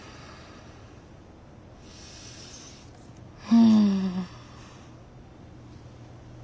うん。